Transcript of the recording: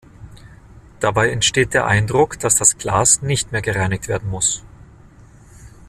Dabei entsteht der Eindruck, dass das Glas nicht mehr gereinigt werden muss.